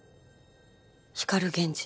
光源氏。